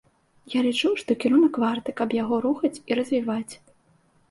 Я лічу, што кірунак варты, каб яго рухаць і развіваць.